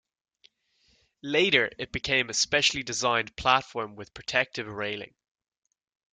Later, it became a specially designed platform with protective railing.